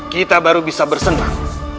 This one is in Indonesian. kita baru bisa bersenang